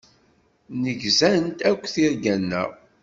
Nnegzant akk tirga-nneɣ.